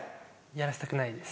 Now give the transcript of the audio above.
やらせたくないです。